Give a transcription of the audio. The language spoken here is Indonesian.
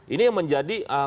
ini yang menjadi